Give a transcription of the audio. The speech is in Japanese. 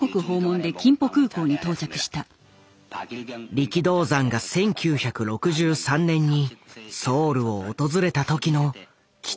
力道山が１９６３年にソウルを訪れた時の貴重な記録映像だ。